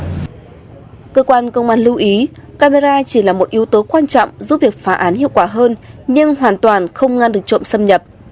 cơ quan công an lưu ý camera chỉ là một yếu tố quan trọng giúp việc phá án hiệu quả hơn nhưng hoàn toàn không ngăn được trộm xâm nhập